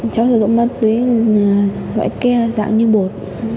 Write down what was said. sử dụng ma túy là loại ke dạng như bột